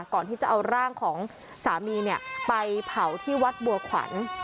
ก่อนที่จะเอาร่างของสามีไปเผาที่วัดบัวขวัญ